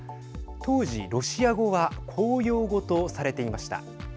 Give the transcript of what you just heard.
当時、ロシア語は公用語とされていました。